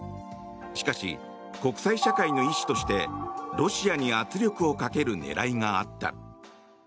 しかし、国際社会の意思としてロシアに圧力をかける狙いがあった。